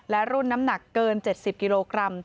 และรุ่นน้ำหนักเกิน๗๐กิโลกรัม